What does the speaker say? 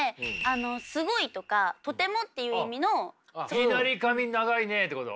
いぎなり髪長いねってこと？